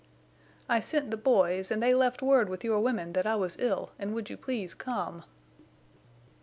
"I sent the boys, and they left word with your women that I was ill and would you please come."